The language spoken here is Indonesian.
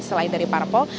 selain dari parpol